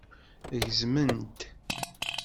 Gezmen-t.